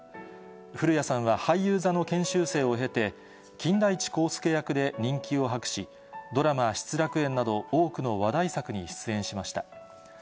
古谷さんは俳優座の研究生を経て、金田一耕助役で人気を博し、ドラマ、失楽園など、多くの話題作に出演しました。